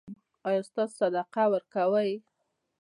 ایا تاسو صدقه ورکوئ؟